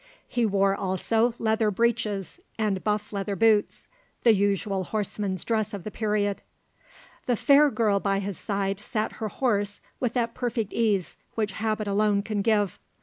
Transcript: He wore also leather breeches and buff leather boots, the usual horseman's dress of the period. The fair girl by his side sat her horse with that perfect ease which habit alone can give.